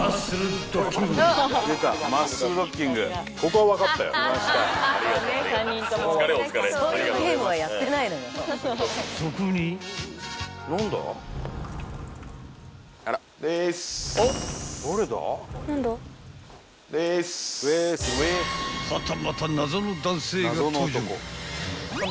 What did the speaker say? ［はたまた謎の男性が登場］